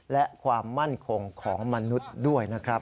และความมั่นคงของมนุษย์ด้วยนะครับ